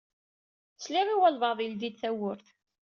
Sliɣ i walbaɛḍ yeldi-d tawwurt.